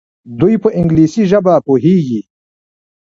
دوی په انګلیسي ژبه پوهیږي.